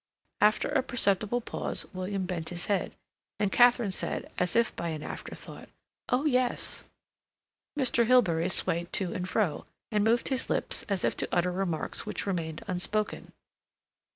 After a perceptible pause William bent his head, and Katharine said, as if by an afterthought: "Oh, yes." Mr. Hilbery swayed to and fro, and moved his lips as if to utter remarks which remained unspoken.